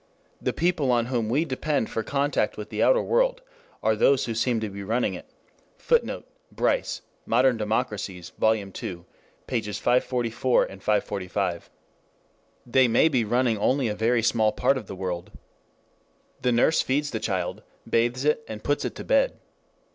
The people on whom we depend for contact with the outer world are those who seem to be running it. [Footnote: Cf. Bryce, Modern Democracies Vol. II, pp. 544 545.] They may be running only a very small part of the world. The nurse feeds the child, bathes it, and puts it to bed.